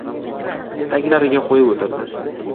Taglariga qo‘yib o‘tirdi.